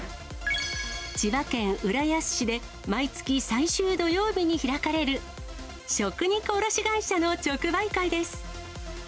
千葉県浦安市で毎月最終土曜日に開かれる、食肉卸会社の直売会です。